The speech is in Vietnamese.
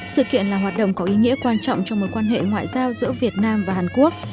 sự kiện là hoạt động có ý nghĩa quan trọng trong mối quan hệ ngoại giao giữa việt nam và hàn quốc